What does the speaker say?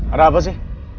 ada apa sih